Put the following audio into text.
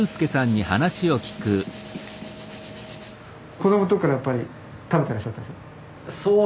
子供の時からやっぱり食べてらっしゃったんですか？